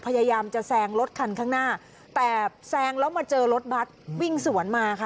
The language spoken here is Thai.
พยายามจะแซงรถคันข้างหน้าแต่แซงแล้วมาเจอรถบัตรวิ่งสวนมาค่ะ